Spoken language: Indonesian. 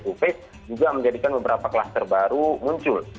jadi kita bisa mencari beberapa kluster baru muncul